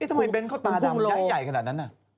นี่ทำไมเบ้นเขาตรงภูมิใหญ่ขนาดนั้นน่ะ